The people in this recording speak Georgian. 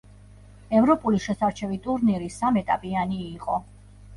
ევროპული შესარჩევი ტურნირი სამ ეტაპიანი იყო.